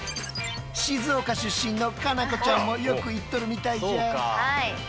静岡出身の夏菜子ちゃんもよく行っとるみたいじゃ。